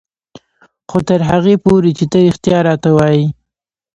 خو تر هغې پورې چې ته رښتيا راته وايې.